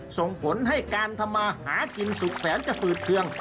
ส่งผลให้การทำมาหากินสุขแสนจะฝืดเคือง